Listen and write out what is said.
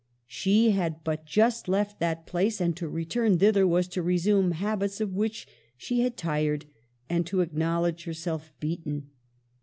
She had but just left that place, and to return thither was to resume habits of which she had tired, and to acknowledge herself beaten.